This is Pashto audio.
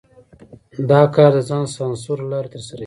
دا کار د ځان سانسور له لارې ترسره کېږي.